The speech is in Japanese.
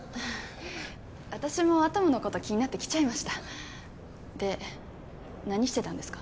私もアトムのこと気になって来ちゃいましたで何してたんですか？